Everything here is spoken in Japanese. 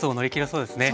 そうですね。